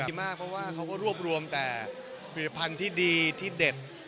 ดีมากเพราะว่าเขาก็รวบรวมแต่ผลิตภัณฑ์ที่ดีที่เด็ด